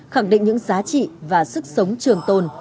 khẳng định những giá trị và sức sống trường tồn